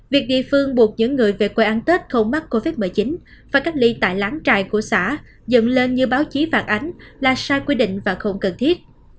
việc địa phương buộc những người về quê ăn tết không mắc covid một mươi chín phải cách ly tại lán trại của xã dựng lên như báo chí phản ánh là sai quy định và không cần thiết